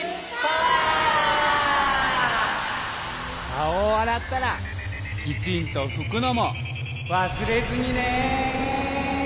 かおをあらったらきちんとふくのもわすれずにね。